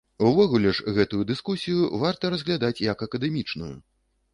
Увогуле ж гэтую дыскусію варта разглядаць як акадэмічную.